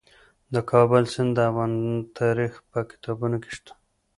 د کابل سیند د افغان تاریخ په کتابونو کې شته.